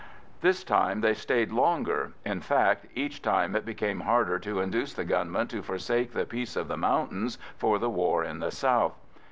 This time they stayed longer; in fact, each time it became harder to induce the gunmen to forsake the peace of the mountains for the war in the south.